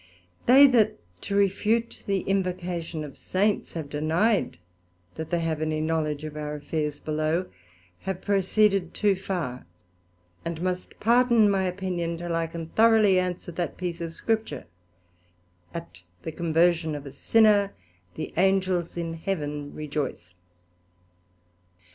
They that to refute the Invocation of Saints, have denied that they have any knowledge of our affairs below, have proceeded too far, and must pardon my opinion, till I can thoroughly answer that piece of Scripture, At the conversion of a sinner the Angels in Heaven rejoyce.